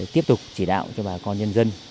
tiếp tục chỉ đạo cho bà con nhân dân